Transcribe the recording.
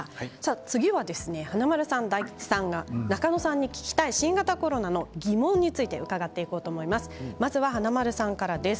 次は華丸さん、大吉さんが中野さんに聞きたい新型コロナの疑問があるということなんです。